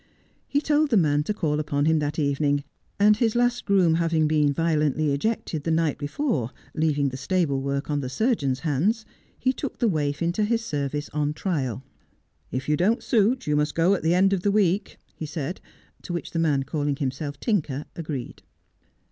He told the man to call upon him that evening, and his last groom having been violently ejected the night before, leaving the stable work on the surgeon's hands, he took the waif into his service on trial. ' If you don't suit you must go at the end of the week,' he said, to which the man calling himself Tinker agreed.